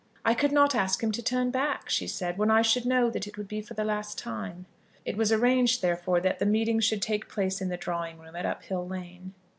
"I could not ask him to turn back," she said, "when I should know that it would be for the last time." It was arranged, therefore, that the meeting should take place in the drawing room at Uphill Lane.